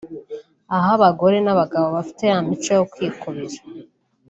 aho abagore n’abagabo bagifite ya mico yo kwikubira